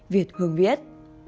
việt hương viết